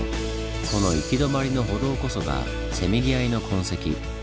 この行き止まりの歩道こそがせめぎ合いの痕跡。